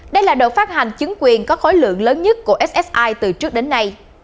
đây là đợt phát hành chứng quyền có khối lượng lớn nhất của ssi từ trước đến nay